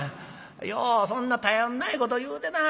ようそんな頼りないこと言うてなはるな。